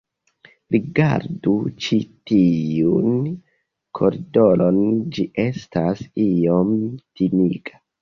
Rigardu ĉi tiun koridoron ĝi estas iom timiga